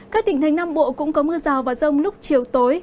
các tỉnh thành nam bộ cũng có mưa rào và rông lúc chiều tối